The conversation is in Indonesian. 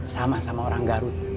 sama sama orang garut